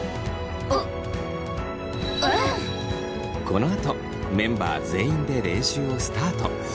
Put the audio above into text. このあとメンバー全員で練習をスタート。